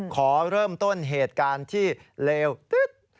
ขอเริ่มต้นเหตุการณ์ที่เลวตึ๊ด